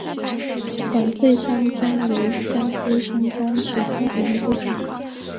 短穗山姜为姜科山姜属下的一个种。